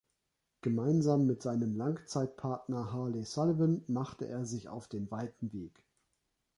Gemeinsam mit seinem Langzeit-Partner Harley Sullivan macht er sich auf den weiten Weg.